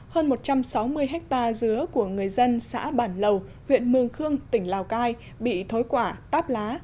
hơn một trăm sáu mươi hectare dứa của người dân xã bản lầu huyện mường khương tỉnh lào cai bị thối quả táp lá